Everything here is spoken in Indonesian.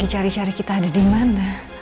lagi cari cari kita ada dimana